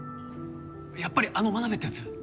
やっぱりあの真鍋って奴？